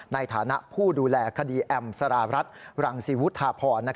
ในฐานะผู้ดูแลคดีแอมสารรัฐรังสิวุฒาพร